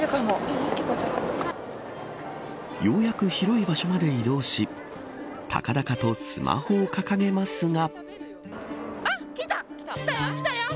ようやく広い場所まで移動したかだかとスマホを掲げますが。